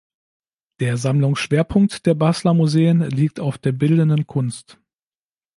Der Sammlungsschwerpunkt der Basler Museen liegt auf der bildenden Kunst.